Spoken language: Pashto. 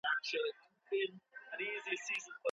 لويې لاسته راوړنې یوازي په لیاقت پوري نه سي منسوبېدلای.